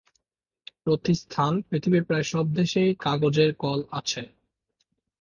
প্রাপ্তিস্থান: পৃথিবীর প্রায় সব দেশেই কাগজের কল আছে।